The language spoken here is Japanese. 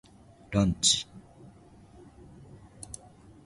ランチ